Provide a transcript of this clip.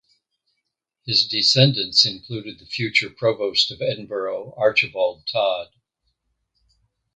His descendants included the future Provost of Edinburgh Archibald Tod.